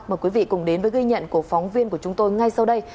mời quý vị cùng đến với ghi nhận của phóng viên của chúng tôi ngay sau đây